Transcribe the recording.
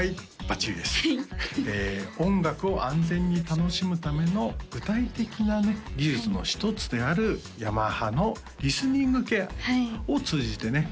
バッチリです音楽を安全に楽しむための具体的なね技術の一つであるヤマハのリスニングケアを通じてね